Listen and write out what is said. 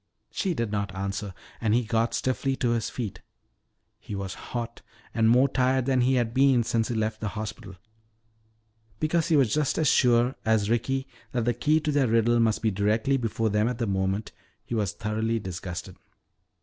She did not answer, and he got stiffly to his feet. He was hot and more tired than he had been since he had left the hospital. Because he was just as sure as Ricky that the key to their riddle must be directly before them at that moment, he was thoroughly disgusted.